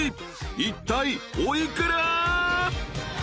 いったいお幾ら？］